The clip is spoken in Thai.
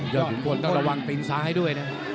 ขุนพลต้องระวังตีนซ้ายด้วยนะ